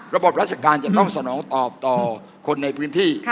ระบบราชการจะต้องสนองตอบต่อคนในพื้นที่